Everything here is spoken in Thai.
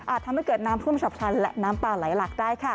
ทำให้เกิดน้ำท่วมฉับพลันและน้ำป่าไหลหลักได้ค่ะ